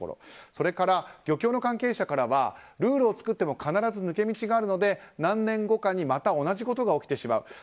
それから漁協の関係者からはルールを作っても必ず抜け道があるので何年後かにまた同じことが起きてしまう。